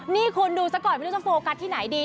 นี่คุณดูซะก่อนไม่รู้จะโฟกัสที่ไหนดี